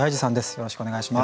よろしくお願いします。